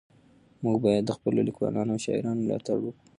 موږ باید د خپلو لیکوالانو او شاعرانو ملاتړ وکړو.